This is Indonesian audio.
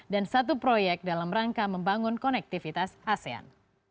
dan satu proyek dalam rangka membangun konektivitas asean